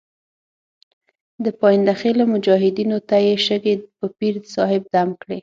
د پاینده خېلو مجاهدینو ته یې شګې په پیر صاحب دم کړې.